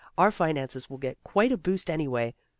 Our finances will get quite a boost, anyway.